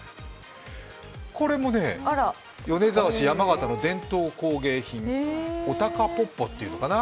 これもね、米沢市、山形の伝統工芸品、お鷹ぽっぽっていうのかな。